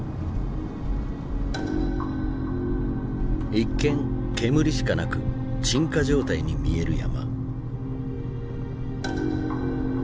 一見煙しかなく鎮火状態に見える山。